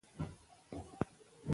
هندوکش د افغانستان د جغرافیې بېلګه ده.